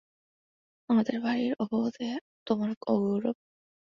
আমাদের বাড়ির অপবাদে তোমার অগৌরব।